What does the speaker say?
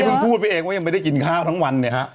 ตอนนี้เพิ่งพูดไปเองว่ายังไม่ได้กินข้าวทั้งวันเนี่ย